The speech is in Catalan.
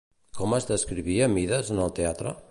Com es descrivia Mides en el teatre?